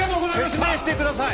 説明してください！